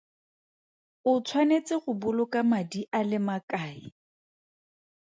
O tshwanetse go boloka madi a le makae?